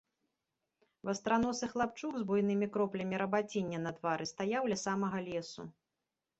Вастраносы хлапчук з буйнымі кроплямі рабаціння на твары стаяў ля самага лесу.